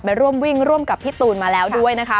ร่วมวิ่งร่วมกับพี่ตูนมาแล้วด้วยนะคะ